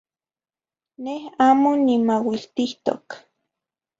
Neh amo nimauiltihtok.